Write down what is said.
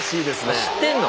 あ知ってんの？